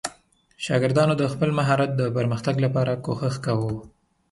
شاګردانو د خپل مهارت د پرمختګ لپاره کوښښ کاوه.